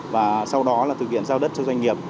và sau đó là thực hiện giao đất cho doanh nghiệp